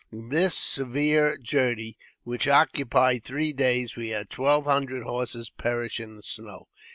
In this severe journey, which occupied three days, we had twelve hundred horses perish in the snow.